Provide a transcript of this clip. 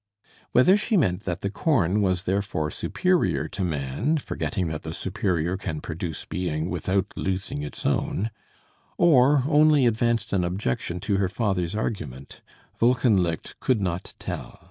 Whether she meant that the corn was therefore superior to man, forgetting that the superior can produce being without losing its own, or only advanced an objection to her father's argument, Wolkenlicht could not tell.